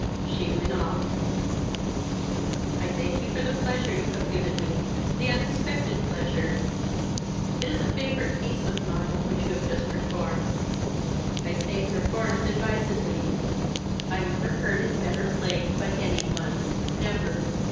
She went on: "I thank you for the pleasure you have given me the unexpected pleasure. It is a favourite piece of mine which you have just performed I say 'performed' advisedly. I never heard it better played by any one never!